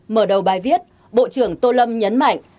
mở đầu bài viết bộ trưởng tô lâm nhấn mạnh